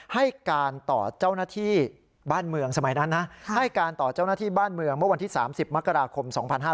ให้การต่อเจ้าหน้าที่บ้านเมืองเมื่อวันที่๓๐มกราคม๒๕๐๑